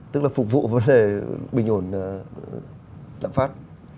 tức là phục vụ vấn đề bình ổn lạm phát